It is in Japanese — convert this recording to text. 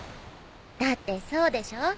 だってそうでしょう？